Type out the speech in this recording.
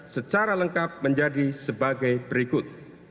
secara lengkap menjadi sebagai berikut